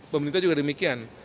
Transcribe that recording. pemerintah juga demikian